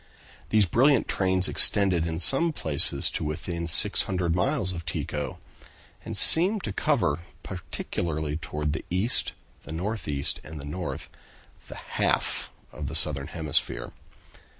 These brilliant trains extended in some places to within 600 miles of Tycho, and seemed to cover, particularly toward the east, the northeast and the north, the half of the southern hemisphere.